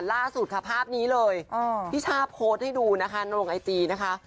ล่าสุดค่ะภาพนี้เลยพี่ช่าโพสต์ให้ดูนะคะลงไอจีนะคะ